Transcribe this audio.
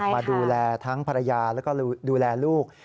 มาดูแลทั้งภรรยาแล้วก็ดูแลลูก